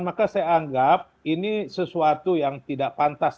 maka saya anggap ini sesuatu yang tidak pantas